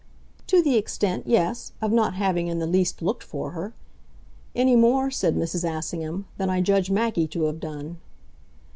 "To the extent yes of not having in the least looked for her. Any more," said Mrs. Assingham, "than I judge Maggie to have done."